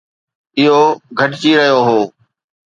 اهو گهٽجي رهيو هو